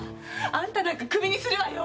あんたなんかクビにするわよ！